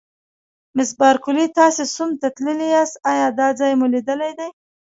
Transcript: مس بارکلي: تاسي سوم ته تللي یاست، ایا دا ځای مو لیدلی دی؟